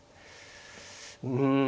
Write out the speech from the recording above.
うん。